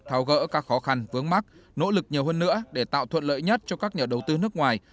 thao gỡ các khó khăn vướng mắt nỗ lực nhiều hơn nữa để tạo thuận lợi nhất cho các nhà đầu tư nước ngoài